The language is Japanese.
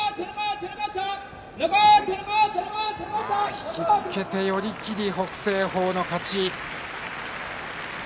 引き付けて寄り切り北青鵬の勝ち。